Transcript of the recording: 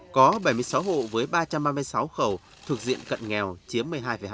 có bảy mươi sáu hộ với ba trăm ba mươi sáu khẩu thuộc diện cận nghèo chiếm một mươi hai hai